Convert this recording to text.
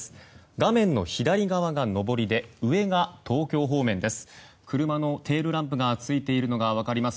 画面の左側が上りで上が東京方面です。